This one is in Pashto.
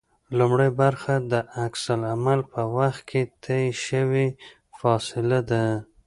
لومړۍ برخه د عکس العمل په وخت کې طی شوې فاصله ده